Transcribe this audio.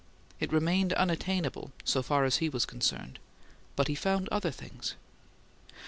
It remained unattainable, so far as he was concerned; but he found other things.